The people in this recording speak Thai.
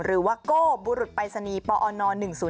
หรือว่าโกบบุรุษปรายศนีย์ปน๑๐๑